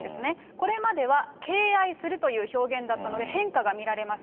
これまでは、敬愛するという表現だったので、変化が見られます。